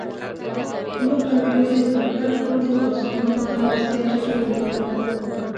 ټولو قبيلو د خپل ګډ کور د خلاصون له پاره د مرستې ټټرونه ووهل.